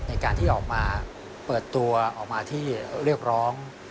ในการที่ออกมาเปิดตัวออกมาที่เรียกร้อง